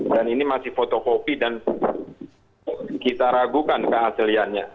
dan ini masih fotokopi dan kita ragukan kehasilannya